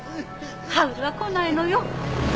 ハウルは来ないのよ。